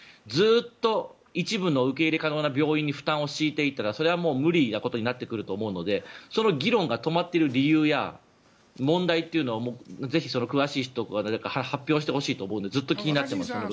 ずっと一部の受け入れ可能な病院に負担を強いていたらそれは無理なことになってくると思うのでその議論が止まっている理由や問題というのをぜひ詳しい人が発表してほしいと思っていてずっと気になってます。